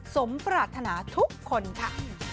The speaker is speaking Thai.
สมปรารถนาทุกคนค่ะ